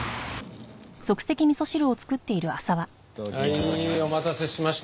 はいお待たせしました。